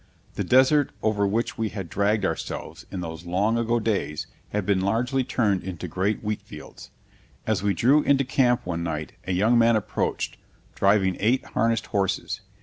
The desert over which we had dragged ourselves in those long ago days has been largely turned into great wheat fields. As we drew into camp one night a young man approached, driving eight harnessed horses.